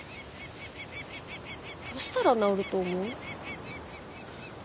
どうしたら直ると思う？